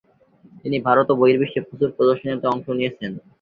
তিনি ভারত ও বহির্বিশ্বে প্রচুর প্রদর্শনীতে অংশ নিয়েছেন।